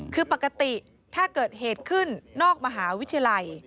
คือปกติถ้าเกิดเหตุขึ้นนอกมหาวิทยาลัย